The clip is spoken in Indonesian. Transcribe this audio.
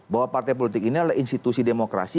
bahwa partai politik ini adalah institusi demokrasi